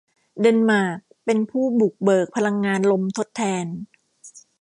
เดนมาร์กเป็นผู้บุกเบิกพลังงานลมทดแทน